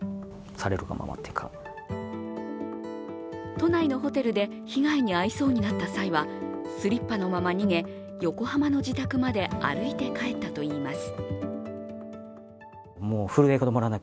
都内のホテルで被害に遭いそうになった際はスリッパのまま逃げ、横浜の自宅まで歩いて帰ったといいます。